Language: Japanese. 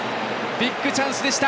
ビッグチャンスでした。